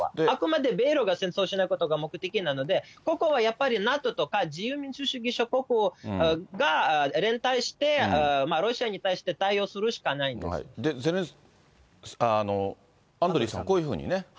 あくまで米ロが戦争しないことが目的なので、ここはやっぱり、ＮＡＴＯとか、自由民主主義諸国が連帯してロシアに対して対応するしかないんでで、アンドリーさん、こういうふうにね。